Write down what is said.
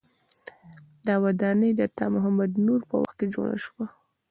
دا ودانۍ د عطا محمد نور په وخت کې جوړه شوه.